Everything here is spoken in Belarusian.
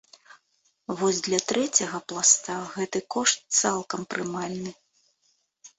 Вось для трэцяга пласта гэты кошт цалкам прымальны.